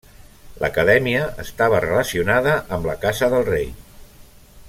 L'Acadèmia estava relacionada amb la Casa del Rei.